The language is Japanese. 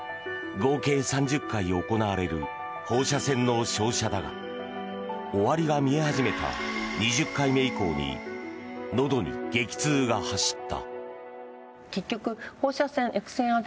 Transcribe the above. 合計３０回行われる放射線の照射だが終わりが見え始めた２０回目以降にのどに激痛が走った。